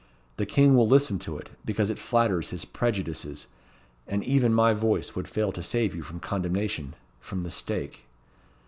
The King will listen to it, because it flatters his prejudices; and even my voice would fail to save you from condemnation from the stake."